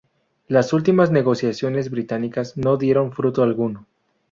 Las últimas negociaciones británicas no dieron fruto alguno.